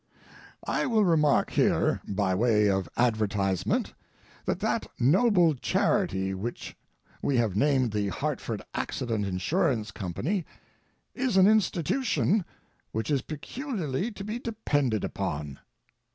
I will remark here, by way of advertisement, that that noble charity which we have named the HARTFORD ACCIDENT INSURANCE COMPANY is an institution, which is peculiarly to be depended upon.